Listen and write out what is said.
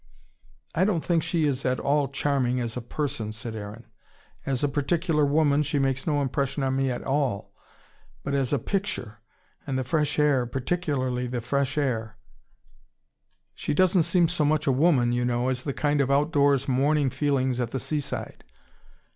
"I don't think she is at all charming, as a person," said Aaron. "As a particular woman, she makes no impression on me at all. But as a picture and the fresh air, particularly the fresh air. She doesn't seem so much a woman, you know, as the kind of out of doors morning feelings at the seaside."